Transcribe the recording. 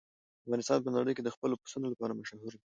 افغانستان په نړۍ کې د خپلو پسونو لپاره مشهور دی.